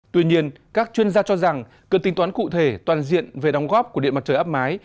tuy nhiên các chuyên gia cho rằng cần tính toán cụ thể toàn diện về đóng góp của điện mặt trời áp mái